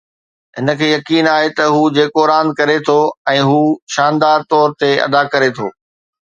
هن کي يقين آهي ته هو جيڪو راند ڪري ٿو ۽ هو شاندار طور تي ادا ڪري ٿو